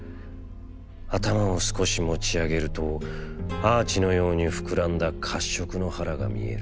頭を少し持ちあげるとアーチのようにふくらんだ褐色の腹が見える。